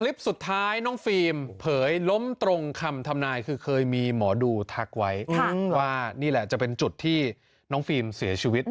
คลิปสุดท้ายน้องฟิล์มเผยล้มตรงคำทำนายคือเคยมีหมอดูทักไว้ว่านี่แหละจะเป็นจุดที่น้องฟิล์มเสียชีวิต